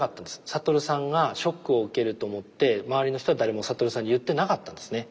覚さんがショックを受けると思って周りの人は誰も覚さんに言ってなかったんですね。